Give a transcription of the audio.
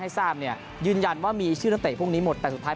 ทราบเนี่ยยืนยันว่ามีชื่อนักเตะพวกนี้หมดแต่สุดท้าย